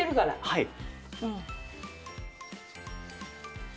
はい。